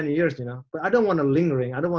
kamu bisa main selama sepuluh tahun